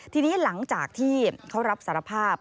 ทีนี้หลังจากที่เขารับสารภาพ